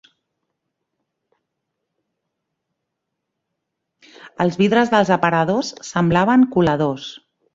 Els vidres dels aparadors semblaven coladors